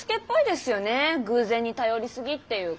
偶然に頼りすぎっていうか。